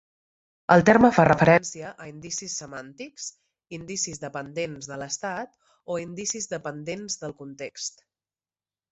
El terme fa referència a "indicis semàntics", indicis "dependents de l'estat" o indicis "dependents del context".